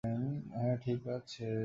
হ্যাঁ, ঠিক আছে।